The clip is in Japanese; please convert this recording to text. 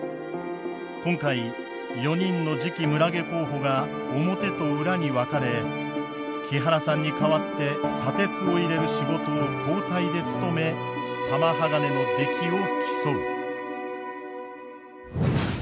今回４人の次期村下候補が表と裏に分かれ木原さんに代わって砂鉄を入れる仕事を交代で務め玉鋼の出来を競う。